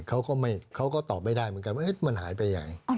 เขาก็ตอบไม่ได้เหมือนกันว่ามันหายไปไหน